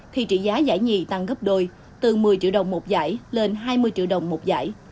khi trị giá giải nhì tăng gấp đôi từ một mươi triệu đồng một giải lên hai mươi triệu đồng một giải